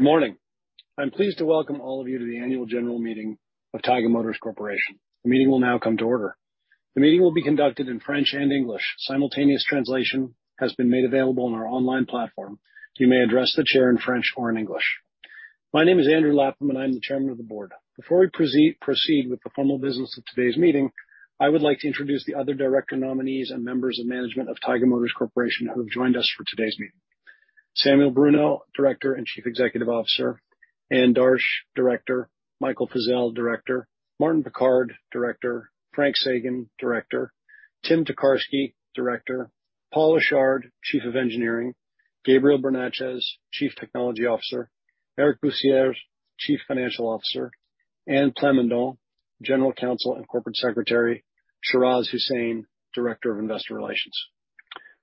Morning. I'm pleased to welcome all of you to the annual general meeting of Taiga Motors Corporation. The meeting will now come to order. The meeting will be conducted in French and English. Simultaneous translation has been made available on our online platform. You may address the chair in French or in English. My name is Andrew Lapham, and I'm the Chairman of the Board. Before we proceed with the formal business of todays meeting, I would like to introduce the other director nominees and members of management of Taiga Motors Corporation who have joined us for todays meeting. Samuel Bruneau, Director and Chief Executive Officer. Anne Darche, Director. Michael Fizzell, Director. Martin Picard, Director. Francis Séguin, Director. Timothy Tokarsky, Director. Paul Achard, Chief of Engineering. Gabriel Bernatchez, Chief Technology Officer. Eric Bussières, Chief Financial Officer. Anne-Isabelle Clément-Dalphond, General Counsel and Corporate Secretary. Shahroz Hussain, Director of Investor Relations.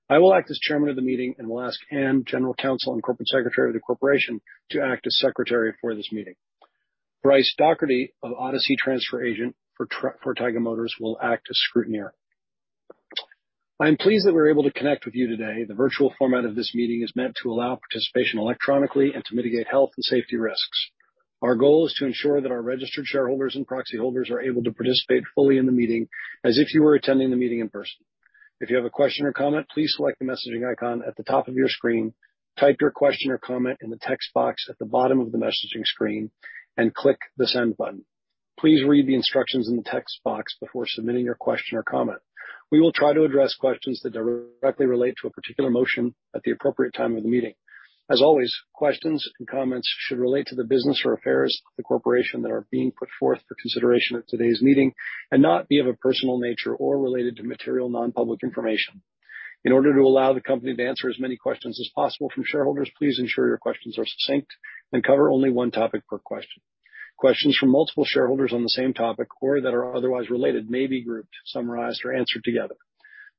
I will act as Chairman of the meeting and will ask Anne, General Counsel and Corporate Secretary of the corporation, to act as secretary for this meeting. Bryce Dougherty of Odyssey Trust Company for Taiga Motors will act as scrutineer. I'm pleased that we're able to connect with you today. The virtual format of this meeting is meant to allow participation electronically and to mitigate health and safety risks. Our goal is to ensure that our registered shareholders and proxy holders are able to participate fully in the meeting as if you were attending the meeting in person. If you have a question or comment, please select the messaging icon at the top of your screen, type your question or comment in the text box at the bottom of the messaging screen, and click the send button. Please read the instructions in the text box before submitting your question or comment. We will try to address questions that directly relate to a particular motion at the appropriate time of the meeting. As always, questions and comments should relate to the business or affairs of the corporation that are being put forth for consideration at todays meeting, and not be of a personal nature or related to material non-public information. In order to allow the company to answer as many questions as possible from shareholders, please ensure your questions are succinct and cover only one topic per question. Questions from multiple shareholders on the same topic or that are otherwise related, may be grouped, summarized, or answered together.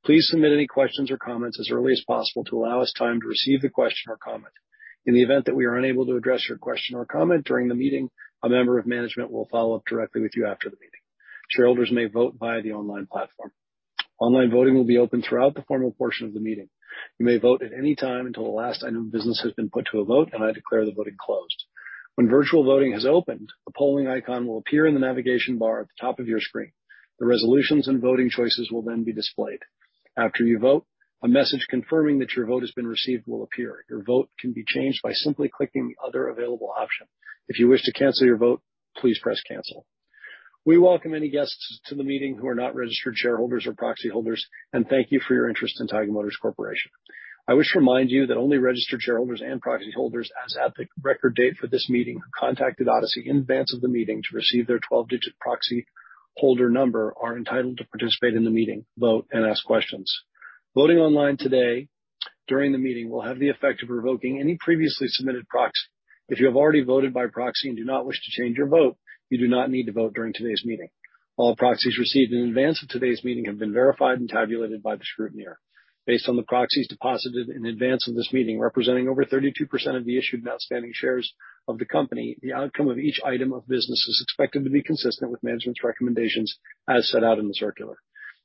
Please submit any questions or comments as early as possible to allow us time to receive the question or comment. In the event that we are unable to address your question or comment during the meeting, a member of management will follow up directly with you after the meeting. Shareholders may vote via the online platform. Online voting will be open throughout the formal portion of the meeting. You may vote at any time until the last item of business has been put to a vote, and I declare the voting closed. When virtual voting has opened, a polling icon will appear in the navigation bar at the top of your screen. The resolutions and voting choices will then be displayed. After you vote, a message confirming that your vote has been received will appear. Your vote can be changed by simply clicking the other available option. If you wish to cancel your vote, please press Cancel. We welcome any guests to the meeting who are not registered shareholders or proxy holders, and thank you for your interest in Taiga Motors Corporation. I wish to remind you that only registered shareholders and proxy holders, as at the record date for this meeting, who contacted Odyssey in advance of the meeting to receive their 12-digit proxy holder number, are entitled to participate in the meeting, vote and ask questions. Voting online today during the meeting will have the effect of revoking any previously submitted proxy. If you have already voted by proxy and do not wish to change your vote, you do not need to vote during todays meeting. All proxies received in advance of todays meeting have been verified and tabulated by the scrutineer. Based on the proxies deposited in advance of this meeting, representing over 32% of the issued and outstanding shares of the company, the outcome of each item of business is expected to be consistent with management's recommendations as set out in the circular.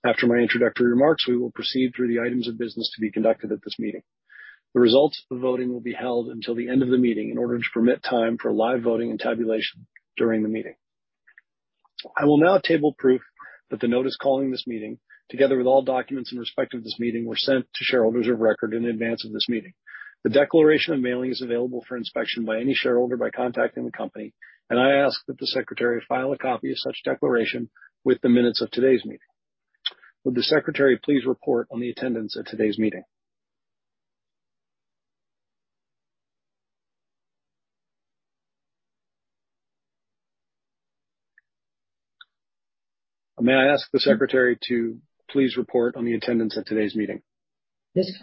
After my introductory remarks, we will proceed through the items of business to be conducted at this meeting. The results of the voting will be held until the end of the meeting in order to permit time for live voting and tabulation during the meeting. I will now table proof that the notice calling this meeting, together with all documents in respect of this meeting, were sent to shareholders of record in advance of this meeting. The declaration of mailing is available for inspection by any shareholder by contacting the company, and I ask that the secretary file a copy of such declaration with the minutes of todays meeting. Will the Secretary please report on the attendance at todays meeting? May I ask the Secretary to please report on the attendance at todays meeting? At least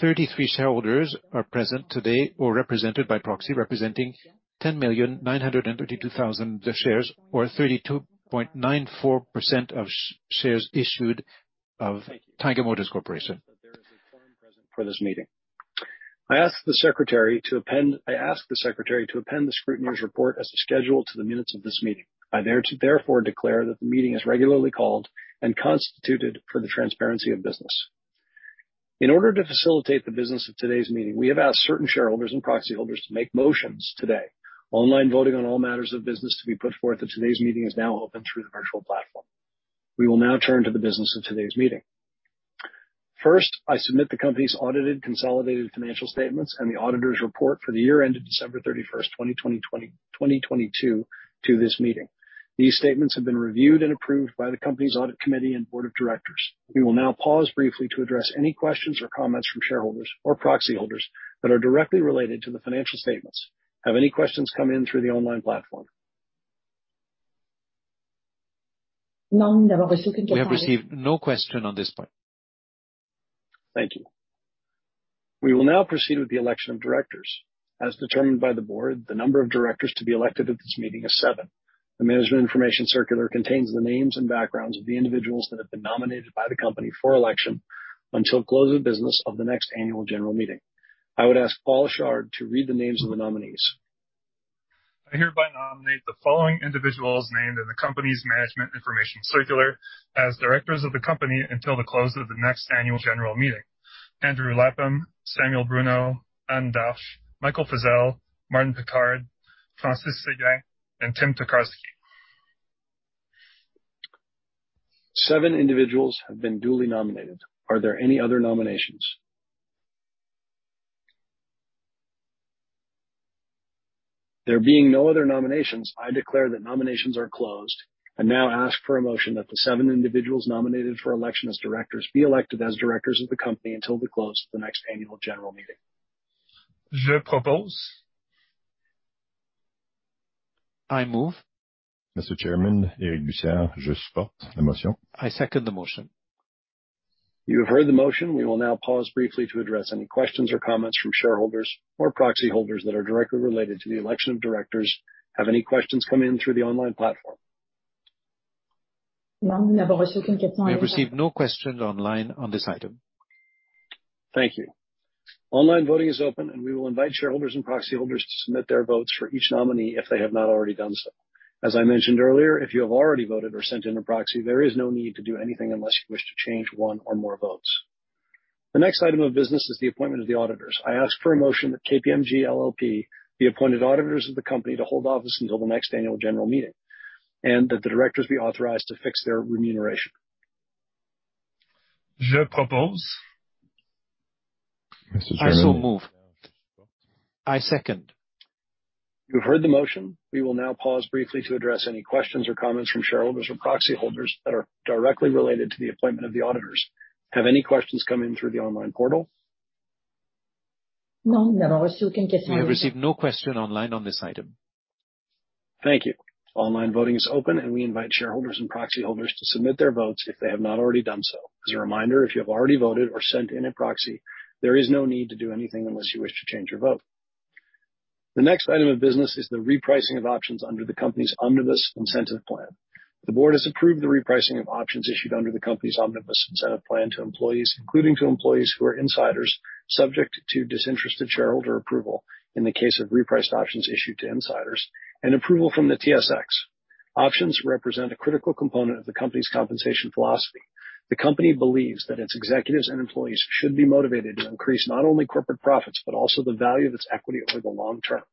33 shareholders are present today or represented by proxy, representing 10,932,000 shares or 32.94% of shares issued of Taiga Motors Corporation. Thank you. There is a quorum present for this meeting. I ask the Secretary to append the scrutineer's report as a schedule to the minutes of this meeting. I therefore declare that the meeting is regularly called and constituted for the transaction of business. In order to facilitate the business of todays meeting, we have asked certain shareholders and proxy holders to make motions today. Online voting on all matters of business to be put forth at todays meeting is now open through the virtual platform. We will now turn to the business of todays meeting. First, I submit the company's audited consolidated financial statements and the auditor's report for the year ended 31st December, 2022 to this meeting. These statements have been reviewed and approved by the company's audit committee and board of directors. We will now pause briefly to address any questions or comments from shareholders or proxy holders that are directly related to the financial statements. Have any questions come in through the online platform? We have received no question on this point. Thank you. We will now proceed with the election of directors. As determined by the board, the number of directors to be elected at this meeting is seven. The management information circular contains the names and backgrounds of the individuals that have been nominated by the company for election until close of business of the next annual general meeting. I would ask Paul Achard to read the names of the nominees. I hereby nominate the following individuals named in the company's management information circular as directors of the company until the close of the next annual general meeting. Andrew Lapham, Samuel Bruneau, Anne Darche, Michael Fizzell, Martin Picard, Francis Séguin, and Timothy Tokarsky. Seven individuals have been duly nominated. Are there any other nominations? There being no other nominations, I declare that nominations are closed. I now ask for a motion that the seven individuals nominated for election as directors be elected as directors of the company until the close of the next annual general meeting. I move. I second the motion. You have heard the motion. We will now pause briefly to address any questions or comments from shareholders or proxy holders that are directly related to the election of directors. Have any questions come in through the online platform? We have received no questions online on this item. Thank you. Online voting is open, and we will invite shareholders and proxy holders to submit their votes for each nominee if they have not already done so. As I mentioned earlier, if you have already voted or sent in a proxy, there is no need to do anything unless you wish to change one or more votes. The next item of business is the appointment of the auditors. I ask for a motion that KPMG LLP be appointed auditors of the company to hold office until the next annual general meeting, and that the directors be authorized to fix their remuneration. Mr. Chairman. I so move. I second. You've heard the motion. We will now pause briefly to address any questions or comments from shareholders or proxy holders that are directly related to the appointment of the auditors. Have any questions come in through the online portal? We have received no questions online on this item. Thank you. Online voting is open, and we invite shareholders and proxy holders to submit their votes if they have not already done so. As a reminder, if you have already voted or sent in a proxy, there is no need to do anything unless you wish to change your vote. The next item of business is the repricing of options under the company's omnibus incentive plan. The board has approved the repricing of options issued under the company's omnibus incentive plan to employees, including to employees who are insiders, subject to disinterested shareholder approval in the case of repriced options issued to insiders and approval from the TSX. Options represent a critical component of the company's compensation philosophy. The company believes that its executives and employees should be motivated to increase not only corporate profits, but also the value of its equity over the long term.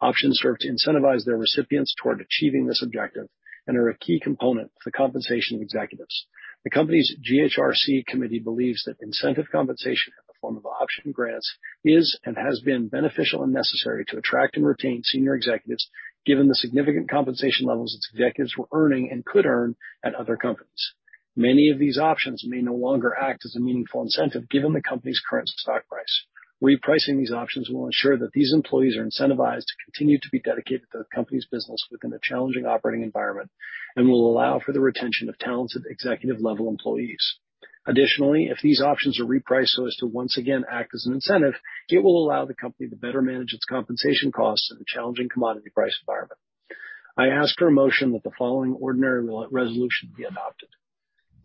Options serve to incentivize their recipients toward achieving this objective and are a key component of the compensation of executives. The company's GHRC committee believes that incentive compensation in the form of option grants is and has been beneficial and necessary to attract and retain senior executives, given the significant compensation levels its executives were earning and could earn at other companies. Many of these options may no longer act as a meaningful incentive given the company's current stock price. Repricing these options will ensure that these employees are incentivized to continue to be dedicated to the company's business within a challenging operating environment and will allow for the retention of talented executive-level employees. Additionally, if these options are repriced so as to once again act as an incentive, it will allow the company to better manage its compensation costs in a challenging commodity price environment. I ask for a motion that the following ordinary resolution be adopted.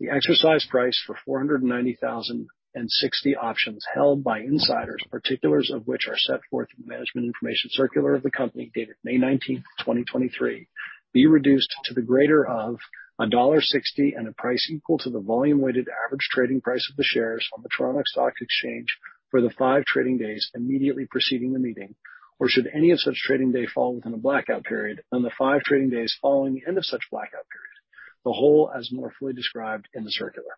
The exercise price for 490,060 options held by insiders, particulars of which are set forth in the management information circular of the company dated May 19, 2023, be reduced to the greater of dollar 1.60 and a price equal to the volume weighted average trading price of the shares on the Toronto Stock Exchange for the five trading days immediately preceding the meeting. Or should any of such trading day fall within a blackout period, on the five trading days following the end of such blackout period, the whole as more fully described in the circular.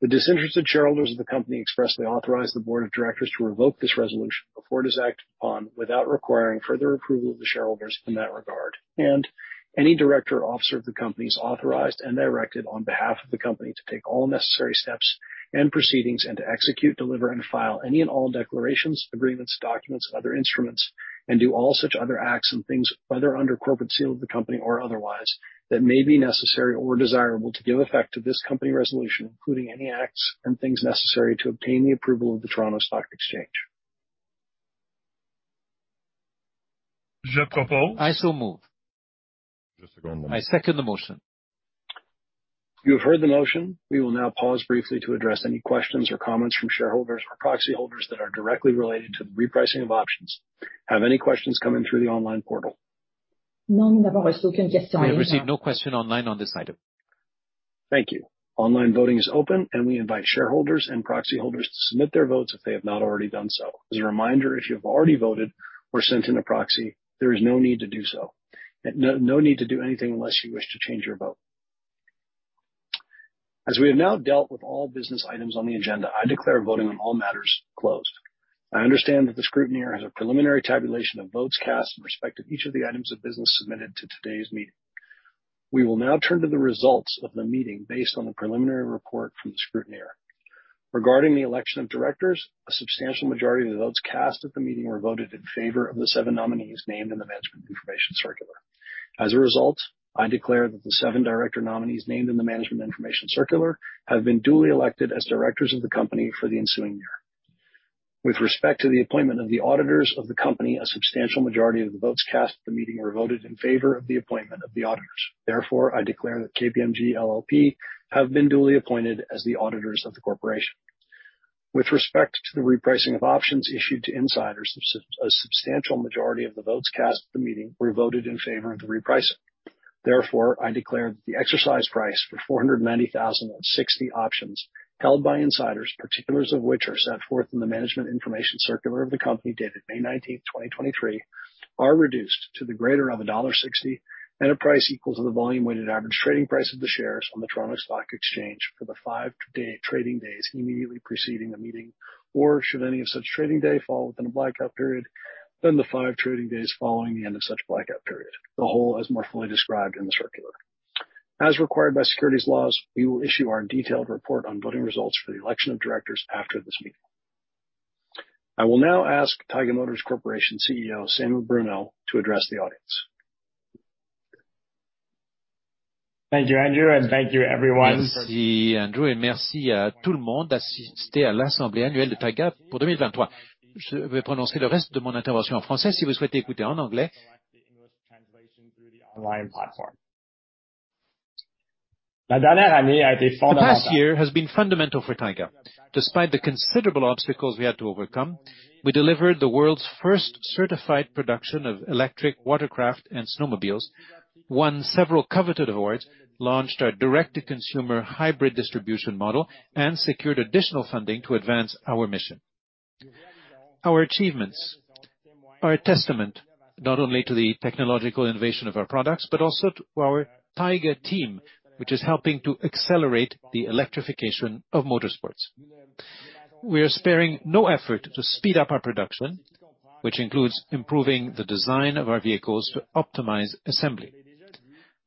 The disinterested shareholders of the company expressly authorize the board of directors to revoke this resolution before it is acted upon without requiring further approval of the shareholders in that regard. Any director or officer of the company is authorized and directed on behalf of the company to take all necessary steps and proceedings and to execute, deliver, and file any and all declarations, agreements, documents, other instruments, and do all such other acts and things, whether under corporate seal of the company or otherwise, that may be necessary or desirable to give effect to this company resolution, including any acts and things necessary to obtain the approval of the Toronto Stock Exchange. I so move. I second the motion. You have heard the motion. We will now pause briefly to address any questions or comments from shareholders or proxy holders that are directly related to the repricing of options. Have any questions come in through the online portal? We have received no questions online on this item. Thank you. Online voting is open, and we invite shareholders and proxy holders to submit their votes if they have not already done so. As a reminder, if you have already voted or sent in a proxy, there is no need to do anything unless you wish to change your vote. As we have now dealt with all business items on the agenda, I declare voting on all matters closed. I understand that the scrutineer has a preliminary tabulation of votes cast in respect of each of the items of business submitted to todays meeting. We will now turn to the results of the meeting based on the preliminary report from the scrutineer. Regarding the election of directors, a substantial majority of the votes cast at the meeting were voted in favor of the seven nominees named in the management information circular. As a result, I declare that the seven director nominees named in the management information circular have been duly elected as directors of the company for the ensuing year. With respect to the appointment of the auditors of the company, a substantial majority of the votes cast at the meeting were voted in favor of the appointment of the auditors. Therefore, I declare that KPMG LLP have been duly appointed as the auditors of the corporation. With respect to the repricing of options issued to insiders, a substantial majority of the votes cast at the meeting were voted in favor of the repricing. Therefore, I declare that the exercise price for 490,060 options held by insiders, particulars of which are set forth in the management information circular of the company dated 19th May, 2023, are reduced to the greater of CAD 1.60 or a price equal to the volume weighted average trading price of the shares on the Toronto Stock Exchange for the five trading days immediately preceding the meeting, or should any of such trading day fall within a blackout period, then the five trading days following the end of such blackout period. The whole as more fully described in the circular. As required by securities laws, we will issue our detailed report on voting results for the election of directors after this meeting. I will now ask Taiga Motors Corporation CEO, Samuel Bruneau, to address the audience. Thank you Andrew, and thank you everyone. The past year has been fundamental for Taiga. Despite the considerable obstacles we had to overcome, we delivered the world's first certified production of electric watercraft and snowmobiles, won several coveted awards, launched our direct to consumer hybrid distribution model, and secured additional funding to advance our mission. Our achievements are a testament not only to the technological innovation of our products, but also to our Taiga team, which is helping to accelerate the electrification of motorsports. We are sparing no effort to speed up our production, which includes improving the design of our vehicles to optimize assembly.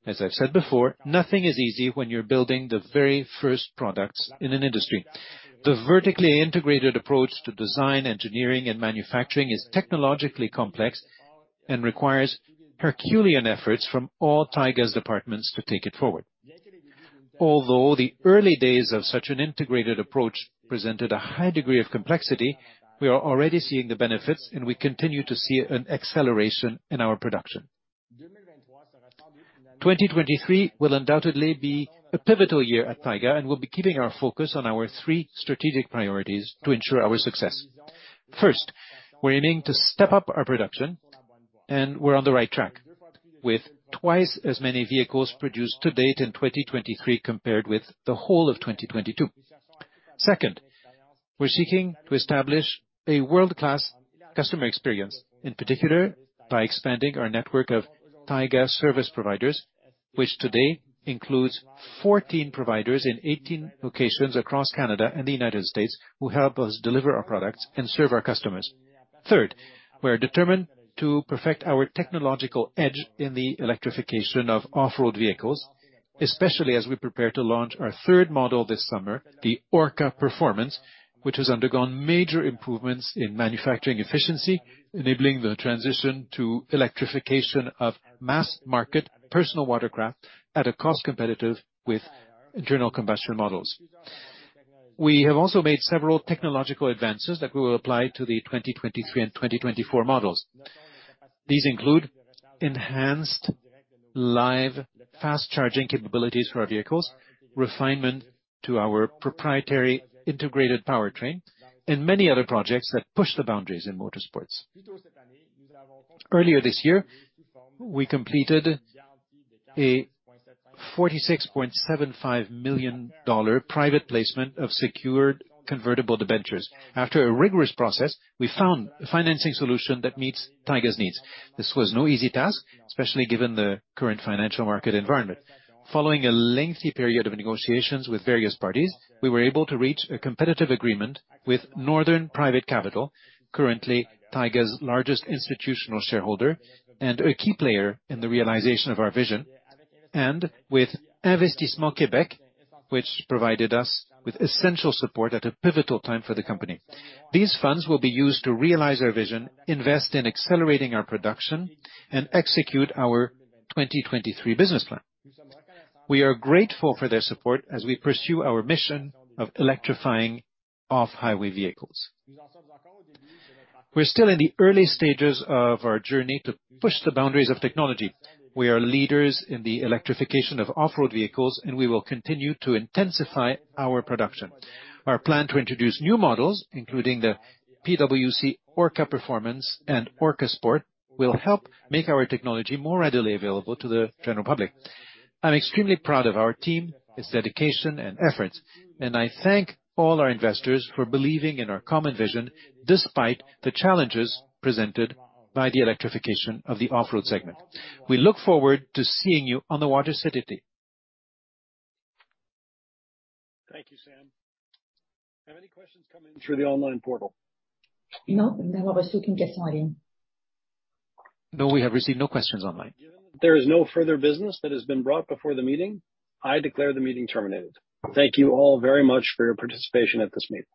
As I've said before, nothing is easy when you're building the very first products in an industry. The vertically integrated approach to design, engineering, and manufacturing is technologically complex and requires herculean efforts from all Taiga's departments to take it forward. Although the early days of such an integrated approach presented a high degree of complexity, we are already seeing the benefits, and we continue to see an acceleration in our production. 2023 will undoubtedly be a pivotal year at Taiga, and we'll be keeping our focus on our three strategic priorities to ensure our success. First, we're aiming to step up our production, and we're on the right track with twice as many vehicles produced to date in 2023 compared with the whole of 2022. Second, we're seeking to establish a world-class customer experience, in particular by expanding our network of Taiga service providers, which today includes 14 providers in 18 locations across Canada and the United States who help us deliver our products and serve our customers. Third, we're determined to perfect our technological edge in the electrification of off-road vehicles, especially as we prepare to launch our third model this summer, the Orca Performance, which has undergone major improvements in manufacturing efficiency, enabling the transition to electrification of mass market personal watercraft at a cost competitive with internal combustion models. We have also made several technological advances that we will apply to the 2023 and 2024 models. These include enhanced live fast charging capabilities for our vehicles, refinement to our proprietary integrated powertrain, and many other projects that push the boundaries in motorsports. Earlier this year, we completed a 46.75 million dollar private placement of secured convertible debentures. After a rigorous process, we found a financing solution that meets Taiga's needs. This was no easy task, especially given the current financial market environment. Following a lengthy period of negotiations with various parties, we were able to reach a competitive agreement with Northern Private Capital, currently Taiga's largest institutional shareholder and a key player in the realization of our vision, and with Investissement Québec, which provided us with essential support at a pivotal time for the company. These funds will be used to realize our vision, invest in accelerating our production, and execute our 2023 business plan. We are grateful for their support as we pursue our mission of electrifying off-highway vehicles. We're still in the early stages of our journey to push the boundaries of technology. We are leaders in the electrification of off-road vehicles, and we will continue to intensify our production. Our plan to introduce new models, including the PWC Orca Performance and Orca Sport, will help make our technology more readily available to the general public. I'm extremely proud of our team, its dedication and efforts, and I thank all our investors for believing in our common vision despite the challenges presented by the electrification of the off-road segment. We look forward to seeing you on the water someday. Thank you Sam. Do we have any questions coming through the online portal? No, we have received no questions online. There is no further business that has been brought before the meeting. I declare the meeting terminated. Thank you all very much for your participation at this meeting.